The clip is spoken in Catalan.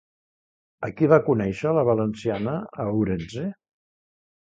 A qui va conèixer la valenciana a Ourense?